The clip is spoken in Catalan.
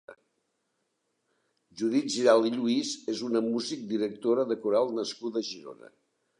Judit Giralt i Lluís és una mùsic, directora de coral nascuda a Girona.